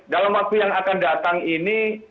dalam waktu yang akan datang ini